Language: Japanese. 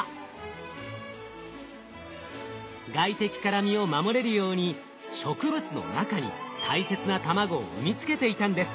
外敵から身を守れるように植物の中に大切な卵を産み付けていたんです。